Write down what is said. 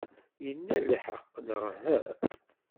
Ila lḥeqq, neɣ uhu?